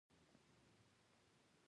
هلته څوک نه وو نو دویمې کوټې ته ورغلم